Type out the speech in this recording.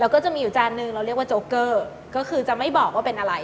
แล้วก็จะมีอยู่จานนึงเราเรียกว่าโจ๊กเกอร์ก็คือจะไม่บอกว่าเป็นอะไร